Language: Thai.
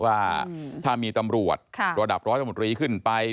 ว่าถ้ามีตำรวจระดับร้อยตำรวจรีขึ้นไป